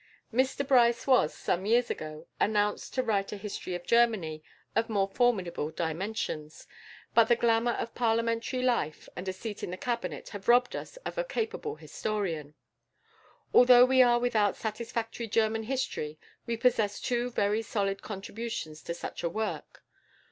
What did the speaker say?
Mr Bryce was, some years ago, announced to write a "History of Germany" of more formidable dimensions, but the glamour of parliamentary life and a seat in the Cabinet have robbed us of a capable historian. Although we are without a satisfactory German history we possess two very solid contributions to such a work.